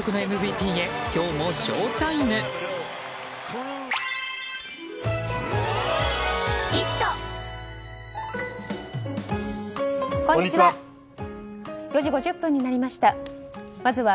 こんにちは。